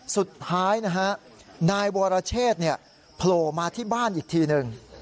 สุดท้ายนะฮะนายวรเชษโผล่มาที่บ้านอีกทีหนึ่ง